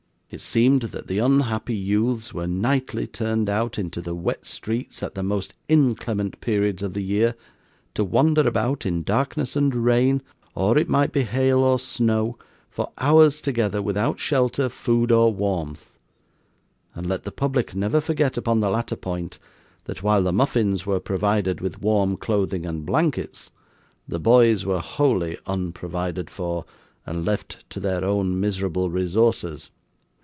It seemed that the unhappy youths were nightly turned out into the wet streets at the most inclement periods of the year, to wander about, in darkness and rain or it might be hail or snow for hours together, without shelter, food, or warmth; and let the public never forget upon the latter point, that while the muffins were provided with warm clothing and blankets, the boys were wholly unprovided for, and left to their own miserable resources.